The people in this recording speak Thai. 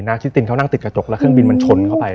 ชิตินเขานั่งติดกระจกแล้วเครื่องบินมันชนเข้าไป